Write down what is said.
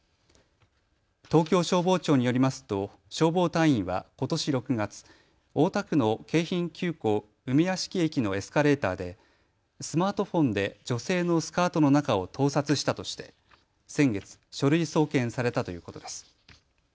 東京消防庁によりますと消防隊員はことし６月、大田区の京浜急行梅屋敷駅のエスカレーターでスマートフォンで女性のスカートの中を盗撮したとして先月、書類送検されたということです。